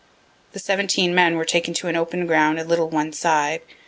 The seventeen men were taken to an open ground, a little one side.